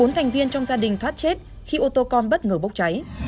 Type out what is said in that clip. bốn thành viên trong gia đình thoát chết khi ô tô con bất ngờ bốc cháy